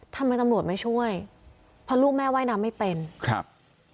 ทำไมตำรวจไม่ช่วยเพราะลูกแม่ว่ายน้ำไม่เป็นครับ